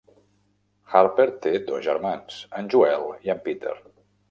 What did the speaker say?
Harper té dos germans, en Joel i en Peter.